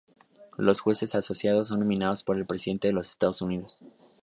Los jueces asociados son nominados por el presidente de los Estados Unidos.